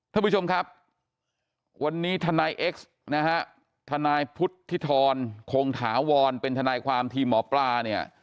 ท่านผู้ชมครับวันนี้ทนายเอ็กซ์นะฮะทนายพุทธิธรคงถาวรเป็นทนายความทีมหมอปลาเนี่ย